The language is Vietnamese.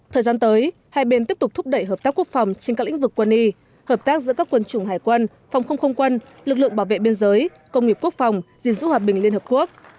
thời gian tới hai bên tiếp tục thúc đẩy hợp tác quốc phòng trên các lĩnh vực quân y hợp tác giữa các quân chủng hải quân phòng không không quân lực lượng bảo vệ biên giới công nghiệp quốc phòng gìn giữ hòa bình liên hợp quốc